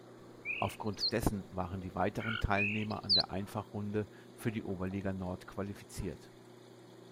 Aufgrund dessen waren die weiteren Teilnehmer an der Einfachrunde für die Oberliga Nord qualifiziert.